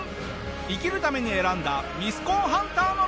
生きるために選んだミスコンハンターの道！